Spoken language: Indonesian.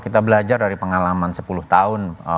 kita belajar dari pengalaman sepuluh tahun